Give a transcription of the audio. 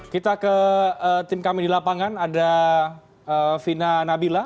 kita ke tim kami di lapangan ada vina nabila